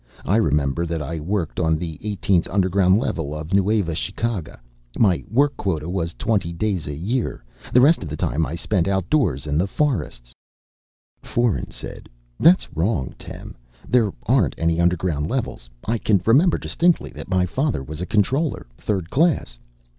"I remember that I worked on the eighteenth underground level of Nueva Chicaga. My work quota was twenty days a year. The rest of the time I spent outdoors in the forests " Foeren said, "That's wrong, Tem. There aren't any underground levels. I can remember distinctly that my father was a Controller, Third Class.